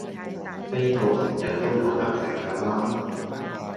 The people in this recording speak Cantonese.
哩個成日都有得食嫁啦